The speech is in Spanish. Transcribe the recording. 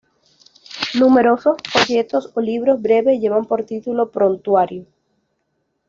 Numerosos folletos o libros breves llevan por título "Prontuario".